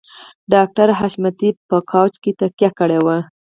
ډاکټر حشمتي په کاوچ کې تکيه کړې وه